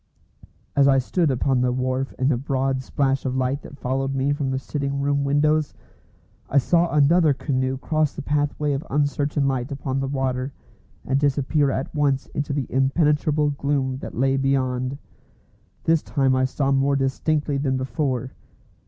As I stood upon the wharf in the broad splash of light that followed me from the sitting room windows, I saw another canoe cross the pathway of uncertain light upon the water, and disappear at once into the impenetrable gloom that lay beyond. This time I saw more distinctly than before.